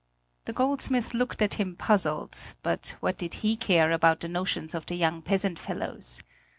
The goldsmith looked at him puzzled; but what did he care about the notions of the young peasant fellows.